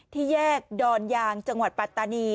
ที่แยกดอนยางจังหวัดปัตตานี